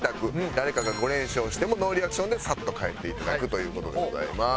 誰かが５連勝してもノーリアクションでサッと帰っていただくという事でございます。